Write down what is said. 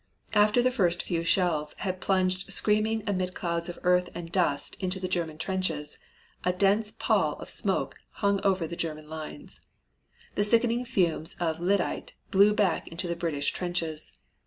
After the first few shells had plunged screaming amid clouds of earth and dust into the German trenches, a dense pall of smoke hung over the German lines. The sickening fumes of lyddite blew back into the British trenches.